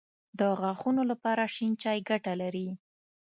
د غاښونو دپاره شين چای ګټه لري